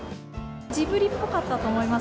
ジブリっぽかったと思います。